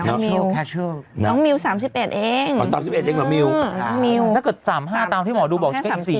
นี่ดีเนาะน้องมิว๓๘เองถ้าเกิด๓๕ตามที่หมอดูบอกแค่๓๔ปี